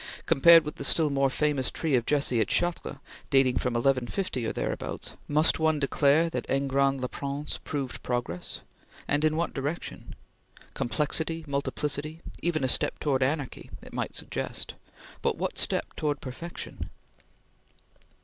Compared with the still more famous Tree of Jesse at Chartres, dating from 1150 or thereabouts, must one declare that Engrand le Prince proved progress? and in what direction? Complexity, Multiplicity, even a step towards Anarchy, it might suggest, but what step towards perfection?